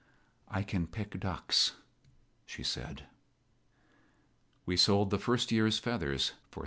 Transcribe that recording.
"I can pick ducks," she said. We sold the first year's feathers for $350.